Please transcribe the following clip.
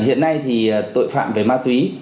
hiện nay thì tội phạm về ma túy